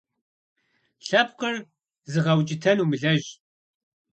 Лъэпкъыр зыгъэукӀытэн умылэжь.